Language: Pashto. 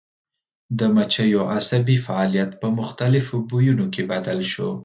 د مچیو عصبي فعالیت په مختلفو بویونو کې بدل شو.